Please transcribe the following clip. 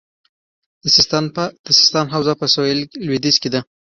د سیستان حوزه په سویل لویدیځ کې ده